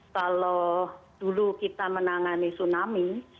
kalau dulu kita menangani tsunami